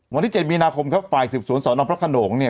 วันที่เจ็ดมีนาคมครับฝ่ายสิบศูนย์สอนอมพระขนกเนี่ย